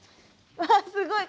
うわすごい！